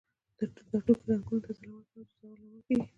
دا توکي رنګونو ته ځلا ورکوي او د زرو لامل کیږي.